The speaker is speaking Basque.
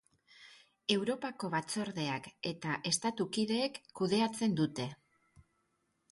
Europako Batzordeak eta estatu kideek kudeatzen dute.